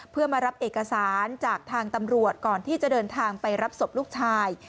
เพื่อมารับเอกสารจากทางตำรวจก่อนที่จะเดินทางไปรับศพลูกชาย